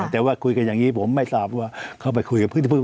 แต่ว่าคุยกันอย่างนี้ผมไม่ทราบว่าเขาไปคุยกัน